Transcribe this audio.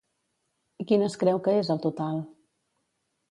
I quin es creu que és el total?